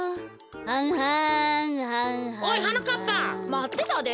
まってたで。